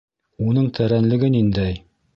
Уның тәрәнлеге ниндәй?